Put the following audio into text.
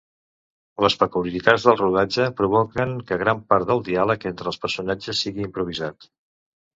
Les peculiaritats del rodatge provoquen que gran part del diàleg entre els personatges sigui improvisat.